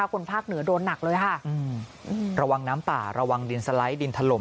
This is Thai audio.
คนภาคเหนือโดนหนักเลยค่ะระวังน้ำป่าระวังดินสไลด์ดินถล่ม